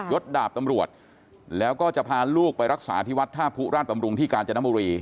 ดดาบตำรวจแล้วก็จะพาลูกไปรักษาที่วัดท่าผู้ราชบำรุงที่กาญจนบุรี